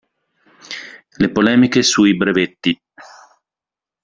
Le polemiche sui brevetti.